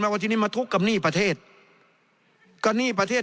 ว่าทีนี้มาทุกข์กับหนี้ประเทศก็หนี้ประเทศ